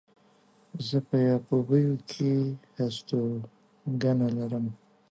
زه په يعقوبيو کې هستوګنه لرم.